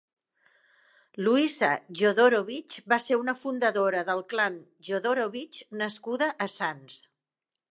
Luisa Jodorovich va ser una fundadora del clan Jodorovich nascuda a Sants.